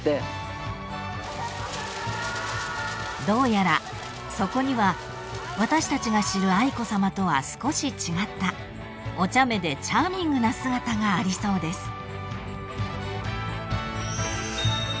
［どうやらそこには私たちが知る愛子さまとは少し違ったおちゃめでチャーミングな姿がありそうです］